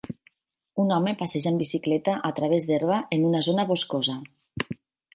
Un home passeja en bicicleta a través d'herba en una zona boscosa.